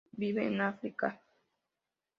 Vive en África.